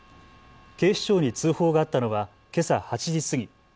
警視庁に通報があったのはけさ８時過ぎ。